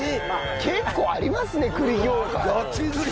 結構ありますね栗業界。